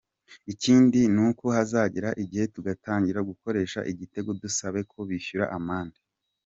Ikindi ni uko hazagera igihe dutangire gukoresha itegeko, dusabe ko bishyura amande.”